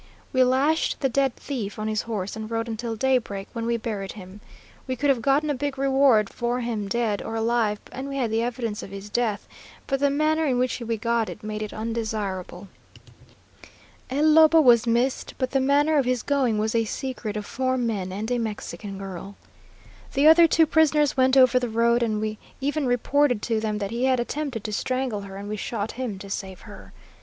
"We lashed the dead thief on his horse and rode until daybreak, when we buried him. We could have gotten a big reward for him dead or alive, and we had the evidence of his death, but the manner in which we got it made it undesirable. El Lobo was missed, but the manner of his going was a secret of four men and a Mexican girl. The other two prisoners went over the road, and we even reported to them that he had attempted to strangle her, and we shot him to save her.